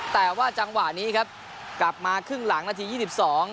แต่ว่าจังหวะนี้ครับกลับมาครึ่งหลังนาทียี่สิบสอง